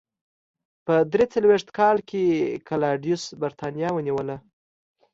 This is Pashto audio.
په درې څلوېښت کال کې کلاډیوس برېټانیا ونیوله.